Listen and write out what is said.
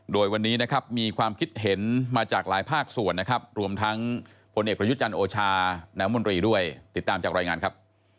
โดยวันนี้มีความคิดเห็นมาจากหลายภาคส่วนรวมทั้งผลเอกประยุทธ์จันโอชานนดด้วยติดตามจากรายงานครับ